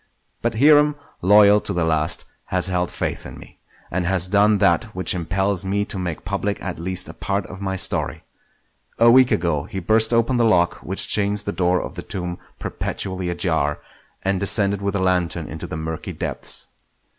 But Hiram, loyal to the last, has held faith in me, and has done that which impels me to make public at least a part of my story. A week ago he burst open the lock which chains the door of the tomb perpetually ajar, and descended with a lantern into the murky depths.